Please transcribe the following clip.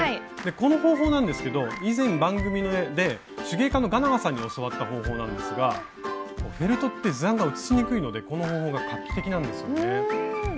この方法なんですけど以前番組で手芸家のがなはさんに教わった方法なんですがフェルトって図案が写しにくいのでこの方法が画期的なんですよね。